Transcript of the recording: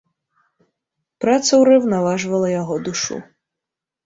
Праца ўраўнаважвала яго душу.